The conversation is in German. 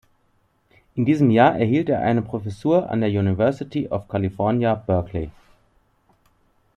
In diesem Jahr erhielt er eine Professur an der University of California, Berkeley.